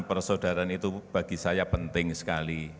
persaudaraan itu bagi saya penting sekali